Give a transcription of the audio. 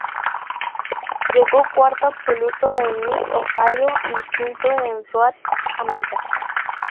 Llegó cuarto absoluto en Mid-Ohio y quinto en Road America.